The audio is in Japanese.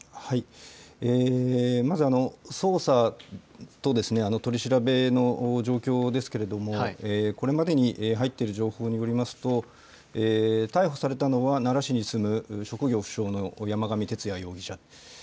まず、捜査と取り調べの状況ですけれども、これまでに入っている情報によりますと、逮捕されたのは、奈良市に住む職業不詳の山上徹也容疑者。